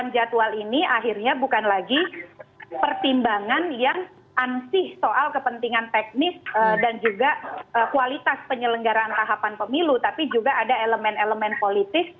jadi hal ini akhirnya bukan lagi pertimbangan yang ansih soal kepentingan teknis dan juga kualitas penyelenggaraan tahapan pemilu tapi juga ada elemen elemen politik